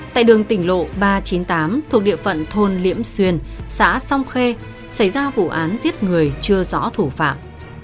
tại đường tỉnh lộ ba trăm chín mươi tám thuộc địa phận thôn liễm xuyên xã song khê xảy ra vụ án giết người chưa rõ thủ phạm